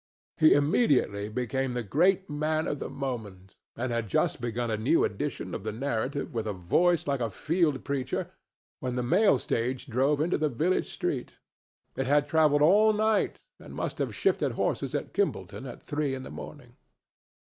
He immediately became the great man of the moment, and had just begun a new edition of the narrative with a voice like a field preacher when the mail stage drove into the village street. It had travelled all night, and must have shifted horses at Kimballton at three in the morning.